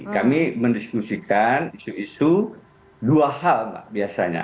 kami mendiskusikan isu isu dua hal mbak biasanya